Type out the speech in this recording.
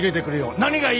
何がいい？